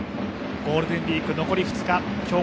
ゴールデンウイーク残り２日